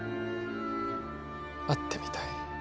会ってみたい